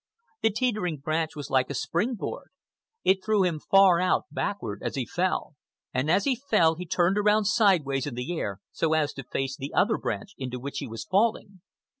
The teetering branch was like a spring board. It threw him far out, backward, as he fell. And as he fell he turned around sidewise in the air so as to face the other branch into which he was falling.